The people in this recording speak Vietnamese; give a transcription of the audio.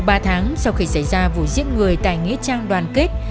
chỉ sau ba tháng sau khi xảy ra vụ giết người tại nghĩa trang đoàn kết